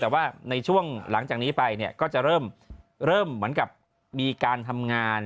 แต่ว่าในช่วงหลังจากนี้ไปเนี่ยก็จะเริ่มเหมือนกับมีการทำงาน